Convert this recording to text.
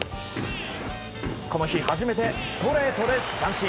この日初めてストレートで三振。